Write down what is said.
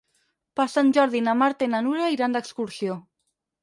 Per Sant Jordi na Marta i na Nura iran d'excursió.